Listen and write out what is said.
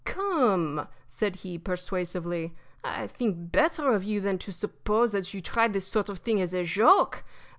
"Come," said he, persuasively, "I think better of you than to suppose that you try this sort of thing as a joke.